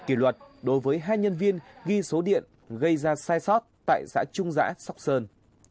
kỷ luật đối với hai nhân viên ghi số điện gây ra sai sót tại xã trung giã sóc sơn